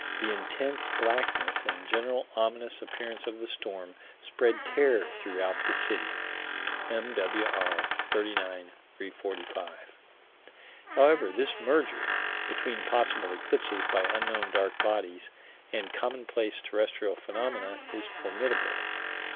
"The intense blackness and general ominous appearance of the storm spread terror throughout the city." (M.W.R., 39 345.) However, this merger between possible eclipses by unknown dark bodies and commonplace terrestrial phenomena is formidable.